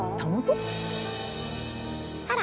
あら！